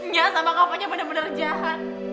nya sama kak fanya bener bener jahat